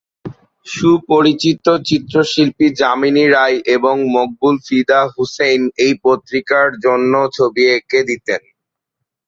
সুপরিচিত চিত্রশিল্পী যামিনী রায় এবং মকবুল ফিদা হুসেন এই পত্রিকার জন্য ছবি এঁকে দিতেন।